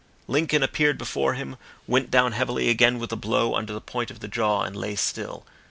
Lincoln appeared before him, went down heavily again with a blow under the point of the jaw and lay still.